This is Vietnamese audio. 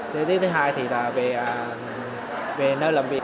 tiêu chí thứ hai thì là về nơi làm việc